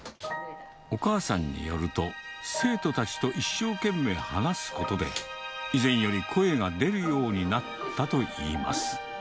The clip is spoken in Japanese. お母さんによると、生徒たちと一生懸命話すことで、以前より声が出るようになったといいます。